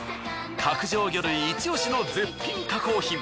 角上魚類イチオシの絶品加工品。